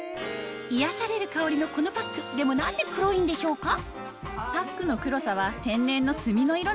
癒やされる香りのこのパックでも何で黒いんでしょうか？